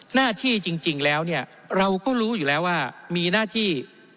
หน้าที่จริงแล้วเนี่ยเราก็รู้อยู่แล้วว่ามีหน้าที่